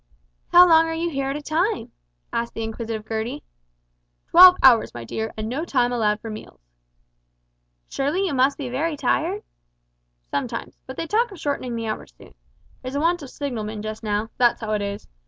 "How long are you here at a time?" asked the inquisitive Gertie. "Twelve hours, my dear, and no time allowed for meals." "Surely you must be very tired?" "Sometimes, but they talk of shortening the hours soon. There's a want of signalmen just now, that's how it is.